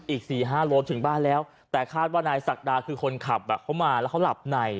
อีก๔๕โลถึงบ้านแล้วแต่คาดว่านายศักดาคือคนขับเขามาแล้วเขาหลับใน